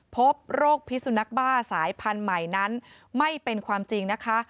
พบโรคพิสุนักบ้าสายพันธุ์ใหม่นั้นไม่เป็นความจริงนะคะ